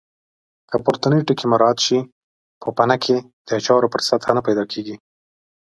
که پورتني ټکي مراعات شي پوپنکې د اچار پر سطحه نه پیدا کېږي.